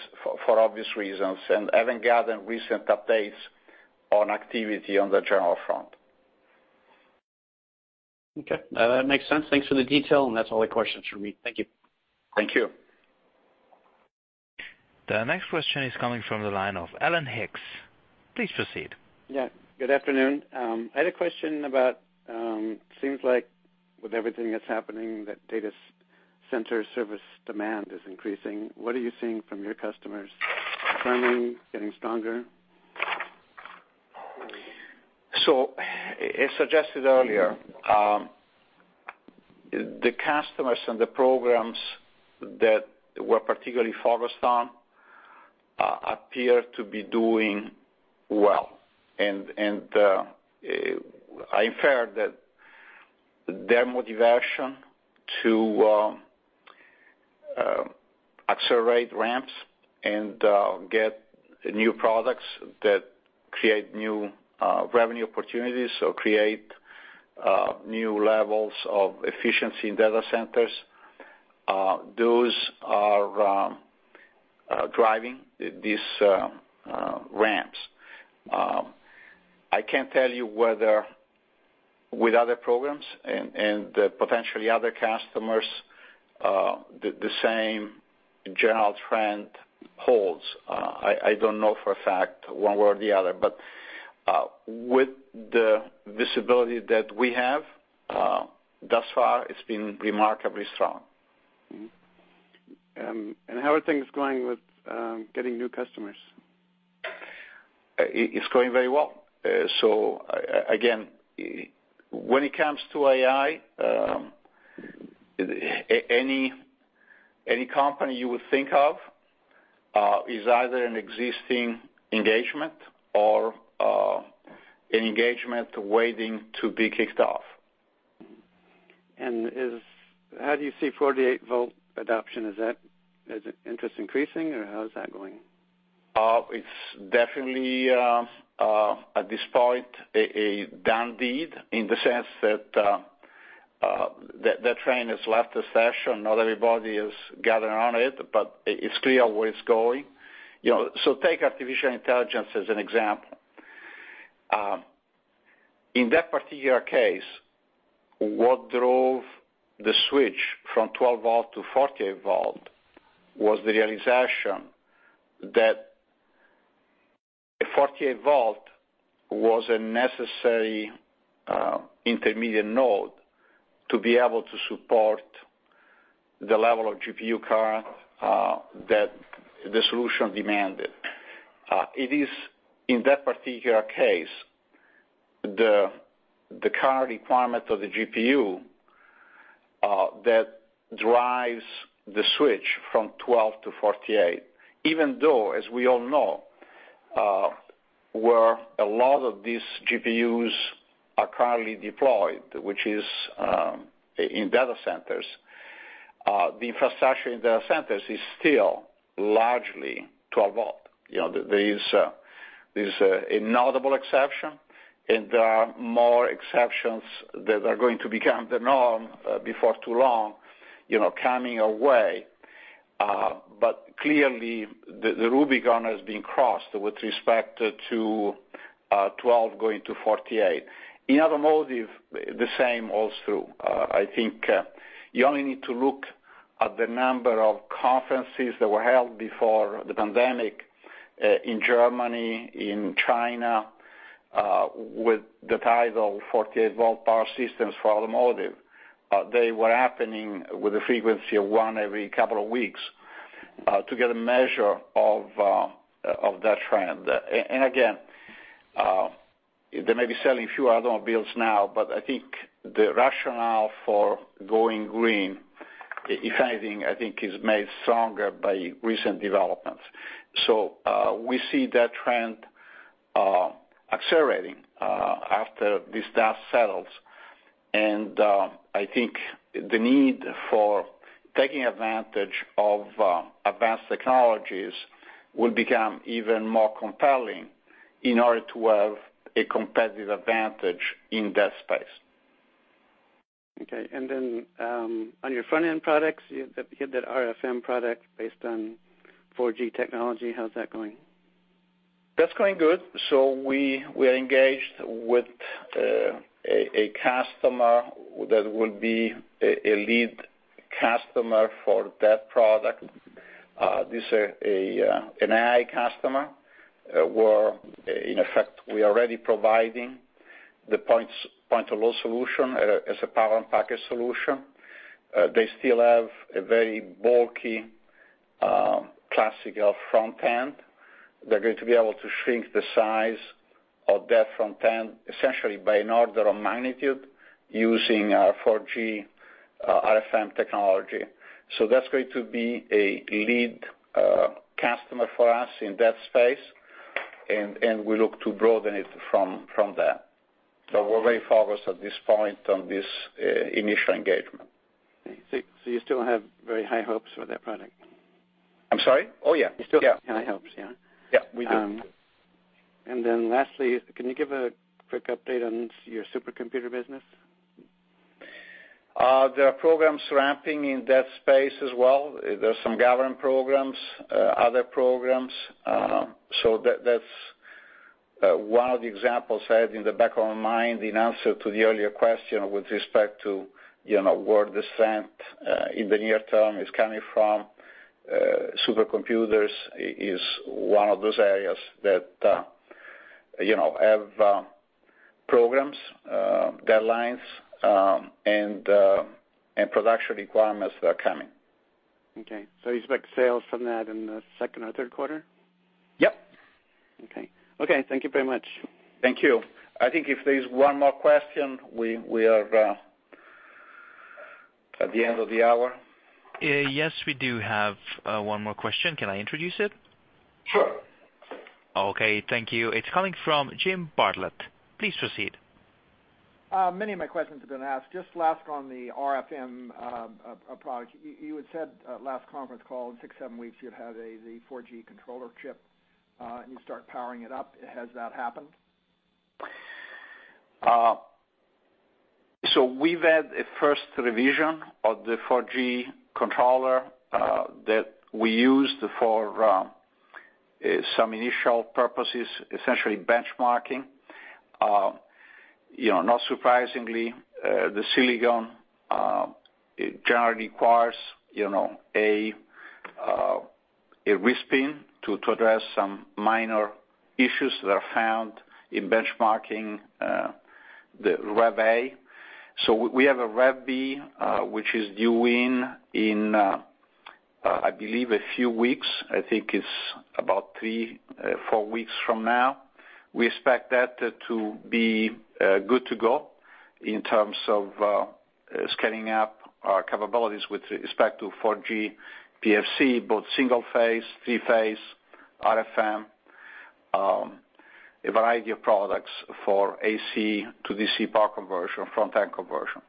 for obvious reasons, and I haven't gathered recent updates on activity on the general front. Okay. No, that makes sense. Thanks for the detail, and that's all the questions from me. Thank you. Thank you. The next question is coming from the line of Alan Hicks. Please proceed. Yeah, good afternoon. I had a question about, seems like with everything that's happening, that data center service demand is increasing. What are you seeing from your customers? Firming? Getting stronger? As suggested earlier, the customers and the programs that we're particularly focused on appear to be doing well. I infer that their motivation to accelerate ramps and get new products that create new revenue opportunities or create new levels of efficiency in data centers. Those are driving these ramps. I can't tell you whether with other programs and potentially other customers, the same general trend holds. I don't know for a fact one way or the other, but with the visibility that we have, thus far, it's been remarkably strong. Mm-hmm. How are things going with getting new customers? It's going very well. Again, when it comes to AI, any company you would think of is either an existing engagement or an engagement waiting to be kicked off. How do you see 48 volt adoption? Is the interest increasing, or how is that going? It's definitely, at this point, a done deed in the sense that train has left the station. Not everybody has gotten on it, but it's clear where it's going. Take artificial intelligence as an example. In that particular case, what drove the switch from 12 volt to 48 volt was the realization that a 48 volt was a necessary intermediate node to be able to support the level of GPU current that the solution demanded. It is, in that particular case, the current requirement of the GPU that drives the switch from 12 to 48, even though, as we all know, where a lot of these GPUs are currently deployed, which is in data centers, the infrastructure in data centers is still largely 12 volt. There is a notable exception, and there are more exceptions that are going to become the norm before too long coming our way. Clearly, the Rubicon has been crossed with respect to 12 going to 48. In automotive, the same also. I think you only need to look at the number of conferences that were held before the pandemic in Germany, in China, with the title 48 Volt Power Systems for Automotive. They were happening with a frequency of one every couple of weeks to get a measure of that trend. Again, they may be selling a few automobiles now, I think the rationale for going green, if anything, I think is made stronger by recent developments. We see that trend accelerating after this dust settles. I think the need for taking advantage of advanced technologies will become even more compelling in order to have a competitive advantage in that space. Okay. On your front-end products, you have that RFM product based on 4G technology. How's that going? That's going good. We are engaged with a customer that will be a lead customer for that product. This is an AI customer, where in effect, we're already providing the point-of-load solution as a power and package solution. They still have a very bulky classical front end. They're going to be able to shrink the size of that front end essentially by an order of magnitude using our 4G RFM technology. That's going to be a lead customer for us in that space, and we look to broaden it from there. We're very focused at this point on this initial engagement. You still have very high hopes for that product? I'm sorry? Oh, yeah. You still have high hopes, yeah? Yeah, we do. Lastly, can you give a quick update on your supercomputer business? There are programs ramping in that space as well. There's some government programs, other programs. That's one of the examples I had in the back of my mind in answer to the earlier question with respect to where the strength in the near term is coming from. Supercomputers is one of those areas that have programs, deadlines, and production requirements that are coming. Okay. You expect sales from that in the second or third quarter? Yep. Okay. Thank you very much. Thank you. I think if there's one more question, we are at the end of the hour. Yes, we do have one more question. Can I introduce it? Sure. Okay, thank you. It's coming from James Liberman. Please proceed. Many of my questions have been asked. Just last on the RFM approach, you had said last conference call, in six, seven weeks, you'd have the 4G controller chip, and you start powering it up. Has that happened? We've had a first revision of the 4G controller that we used for some initial purposes, essentially benchmarking. Not surprisingly, the silicon, it generally requires a respin to address some minor issues that are found in benchmarking the Rev A. We have a Rev B, which is due in, I believe, a few weeks. I think it's about three, four weeks from now. We expect that to be good to go in terms of scaling up our capabilities with respect to 4G PFC, both single-phase, three-phase, RFM, a variety of products for AC to DC power conversion, front-end conversion.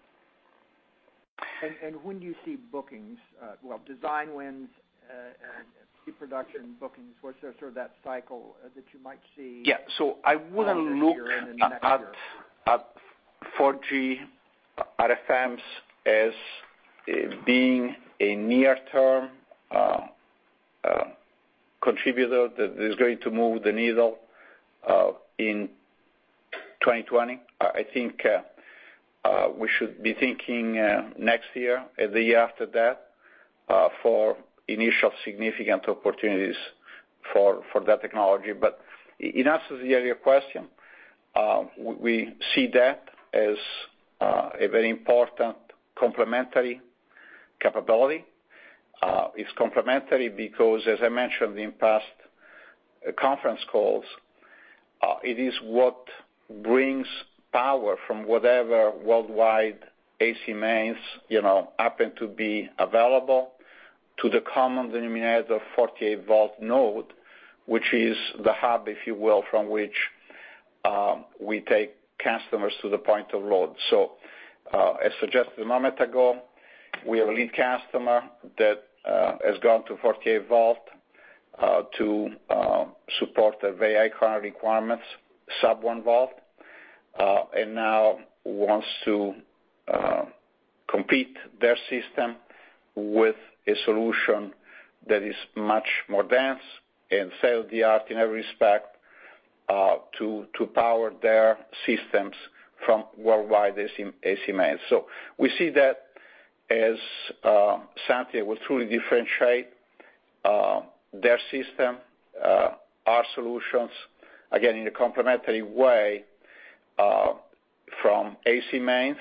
When do you see bookings? Well, design wins and pre-production bookings, what's sort of that cycle that you might see? Yeah. This year and then next year. At 4G RFMs as being a near-term contributor that is going to move the needle in 2020. I think we should be thinking next year or the year after that for initial significant opportunities for that technology. In answer to the earlier question, we see that as a very important complementary capability. It's complementary because, as I mentioned in past conference calls, it is what brings power from whatever worldwide AC mains happen to be available to the common denominator of 48-volt node, which is the hub, if you will, from which we take customers to the point of load. As suggested a moment ago, we have a lead customer that has gone to 48 volt to support their AI current requirements, sub 1 volt, and now wants to complete their system with a solution that is much more dense and state of the art in every respect, to power their systems from worldwide AC mains. We see that as something that will truly differentiate their system, our solutions, again, in a complementary way, from AC mains.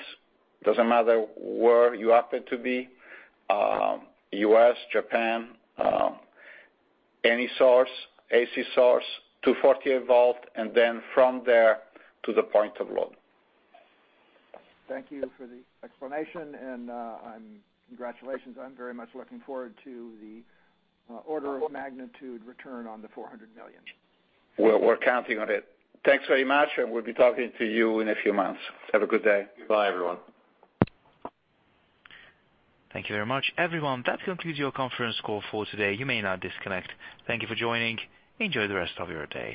Doesn't matter where you happen to be, U.S., Japan, any source, AC source to 48 volt, and then from there to the point of load. Thank you for the explanation, and congratulations. I'm very much looking forward to the order of magnitude return on the $400 million. We're counting on it. Thanks very much. We'll be talking to you in a few months. Have a good day. Bye, everyone. Thank you very much, everyone. That concludes your conference call for today. You may now disconnect. Thank you for joining. Enjoy the rest of your day.